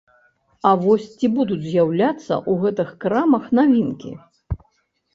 А вось ці будуць з'яўляцца ў гэтых крамах навінкі?